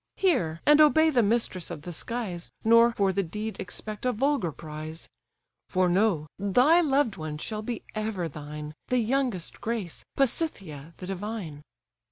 Hear, and obey the mistress of the skies, Nor for the deed expect a vulgar prize; For know, thy loved one shall be ever thine, The youngest Grace, Pasithaë the divine."